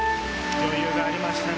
余裕がありましたね。